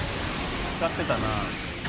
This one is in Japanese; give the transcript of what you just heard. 使ってたな。